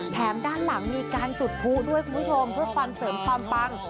แถมด้านล่างมีการจุดพูด้วยคุณผู้ชมเพื่อควรเสริมความปัง